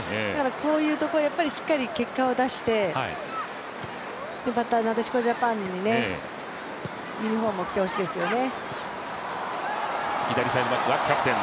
こういうところでしっかり結果を出してまた、なでしこジャパンのユニフォームを着てほしいですよね。